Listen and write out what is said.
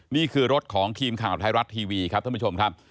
นี่คือรถของทีมข่าวไทยรัฐทีวีครับท่านผู้ชมครับ